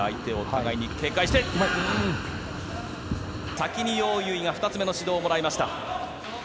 先にヨウ・ユウイが２つ目の指導をもらいました。